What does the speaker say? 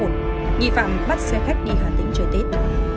nghi phạm bắt xe khách đi hà tĩnh chơi tết